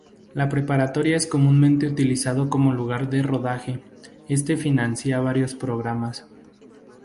La preparatoria es comúnmente utilizado como lugar de rodaje; este financia varios programas.